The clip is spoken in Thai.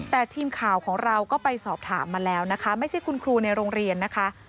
แต่ทีมข่าวของเราก็ไปสอบถามมาแล้วนะคะไม่ใช่คุณครูในโรงเรียนนะคะ